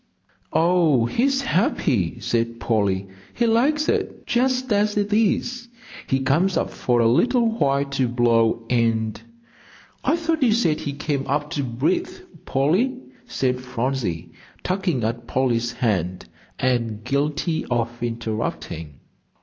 "Oh, he's happy," said Polly, "he likes it just as it is. He comes up for a little while to blow and " "I thought you said he came up to breathe, Polly," said Phronsie, tugging at Polly's hand, and guilty of interrupting.